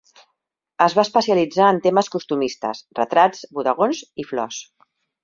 Es va especialitzar en temes costumistes, retrats, bodegons i flors.